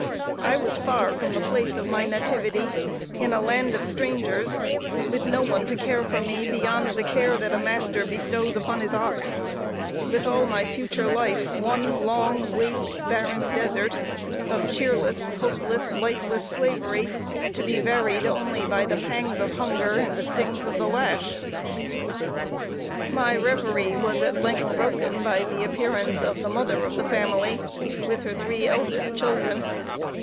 I was far from the place of my nativity, in a land of strangers, with no one to care for me beyond the care that a master bestows upon his ox; with all my future life one long, waste, barren desert, of cheerless, hopeless, lifeless slavery; to be varied only by the pangs of hunger and the stings of the lash. My revery was at length broken by the appearance of the mother of the family, with her three eldest children.